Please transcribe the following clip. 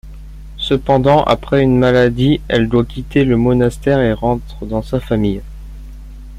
Cependant, après une maladie, elle doit quitter le monastère et rentre dans sa famille.